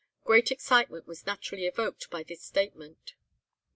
"Great excitement was naturally evoked by this statement.